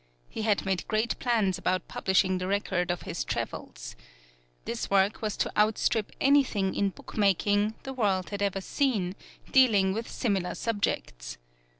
He had made great plans about publishing the record of his travels. This work was to outstrip anything in bookmaking the world had ever seen, dealing with similar subjects.